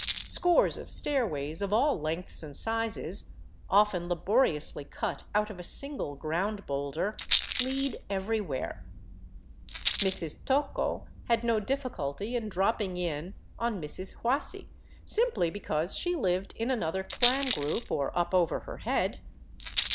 Scores of stairways of all lengths and sizes, often laboriously cut out of a single ground boulder, lead everywhere. Mrs. Tocco had no difficulty in dropping in on Mrs. Huasi simply because she lived in another clan group or up over her head.